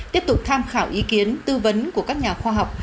tiếp tục tham khảo ý kiến tư vấn của các nhà khoa học